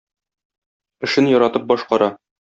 Эшен яратып башкара.